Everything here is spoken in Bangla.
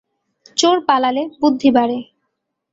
চোর পালালে বুদ্ধি বাড়ে।